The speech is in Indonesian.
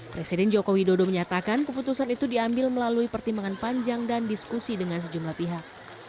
presiden jokowi dodo menyatakan keputusan itu diambil melalui pertimbangan panjang dan diskusi dengan sejumlah pihak